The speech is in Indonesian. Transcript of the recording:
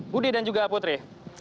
budi dan juga putri